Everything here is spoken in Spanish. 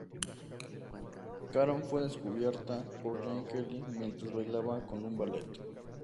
Caron fue descubierta por Gene Kelly mientras bailaba con un ballet.